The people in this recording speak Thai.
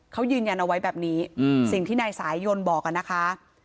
เขายืนยันเอาไว้แบบนี้สิ่งที่นายสายยนบอกอะนะคะ